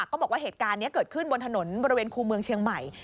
ก็บอกว่าเหตุการณ์นี้เกิดขึ้นบนถนนบริเวณคู่เมืองเชียงใหม่